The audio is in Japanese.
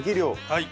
はい。